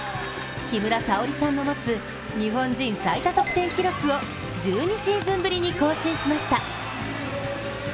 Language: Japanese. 木村沙織さんの持つ日本人最多得点記録を１２シーズンぶりに更新しました。